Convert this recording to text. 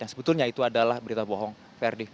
yang sebetulnya itu adalah berita bohong ferdi